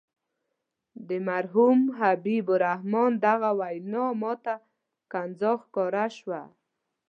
د مرحوم حبیب الرحمن دغه وینا ماته ښکنځا ښکاره شوه.